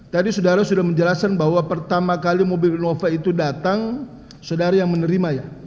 tadi saudara sudah menjelaskan bahwa pertama kali mobil novel itu datang saudara yang menerima ya